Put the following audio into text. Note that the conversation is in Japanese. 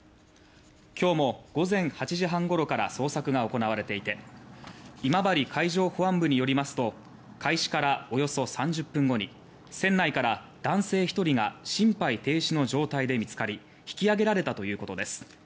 きょうも午前８時半ごろから捜索が行われていて今治海上保安部によりますと開始からおよそ３０分後に船内から１人が心肺停止の状態で見つかり引き揚げられたということです。